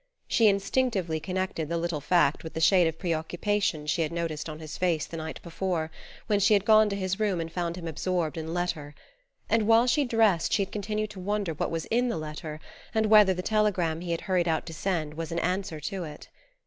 She instinctively connected the little fact with the shade of preoccupation she had noticed on his face the night before, when she had gone to his room and found him absorbed in letter; and while she dressed she had continued to wonder what was in the letter, and whether the telegram he had hurried out to send was an answer to it.